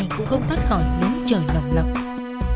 hành cũng không thoát khỏi núi trời lộng lộng